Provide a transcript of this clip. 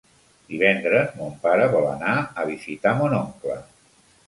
Divendres mon pare vol anar a visitar mon oncle.